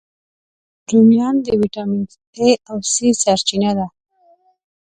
رومیان د ویټامین A، C سرچینه ده